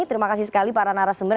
terima kasih sekali para narasumber